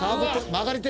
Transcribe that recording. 曲がり鉄。